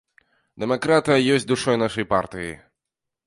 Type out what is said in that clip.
Дэмакратыя ёсць душой нашай партыі.